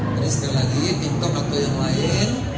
jadi sekali lagi tiktok atau yang lain